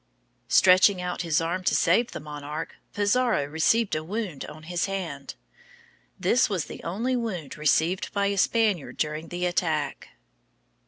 Stretching out his arm to save the monarch, Pizarro received a wound on his hand, This was the only wound received by a Spaniard during the attack.